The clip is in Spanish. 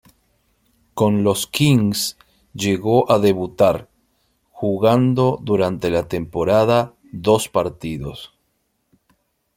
Con los Kings llegó a debutar, jugando durante la temporada dos partidos.